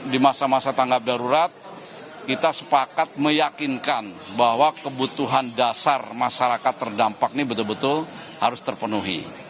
di masa masa tanggap darurat kita sepakat meyakinkan bahwa kebutuhan dasar masyarakat terdampak ini betul betul harus terpenuhi